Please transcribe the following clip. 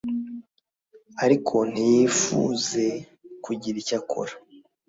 ariko ntiyifuze kugira icyo akora